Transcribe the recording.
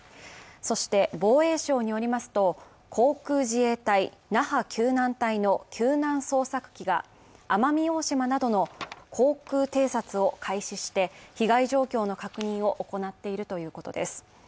そして、防衛省によりますと、航空自衛隊那覇救難隊の救難捜索機が奄美大島などの航空偵察を開始して、被害状況の確認を行っているということです。